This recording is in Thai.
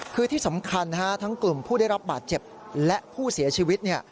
คือที่สำคัญทั้งกลุ่มผู้ได้รับบาดเจ็บและผู้เสียชีวิต